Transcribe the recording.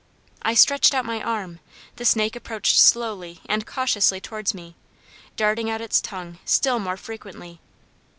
I stretched out my arm; the snake approached slowly and cautiously towards me, darting out its tongue still more frequently.